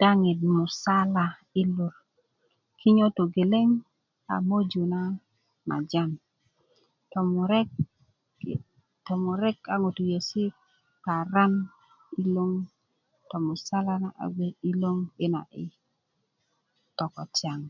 daŋin musala yi lor kinyo togeleŋ a möju na majan tomurek tomurek a ŋutu yesi' paran iloŋ tomusala na a gbe iloŋ ina i tokosaŋ